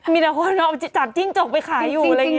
มีแต่ว่าเราจับจิ้งจกไปขายอยู่อะไรอย่างนี้